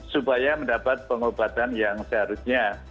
supaya mendapat pengobatan yang seharusnya